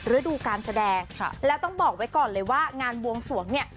ฤดูการแสดงแล้วต้องบอกไว้ก่อนเลยว่างานบวงสวงเนี่ย